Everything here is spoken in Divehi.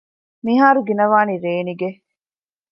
މިހާރު ގިނަވާނީ ރޭނިގެ